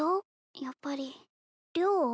やっぱり良？